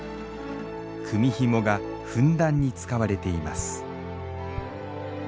組みひもがふんだんに使われています